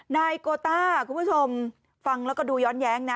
นายโกต้าคุณผู้ชมฟังแล้วก็ดูย้อนแย้งนะ